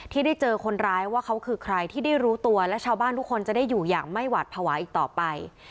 ที่ได้เจอคนร้ายว่าเขาคือใครที่ได้รู้ตัวและชาวบ้านทุกคนจะได้อยู่อย่างไม่หวาดภาวะอีกต่อไป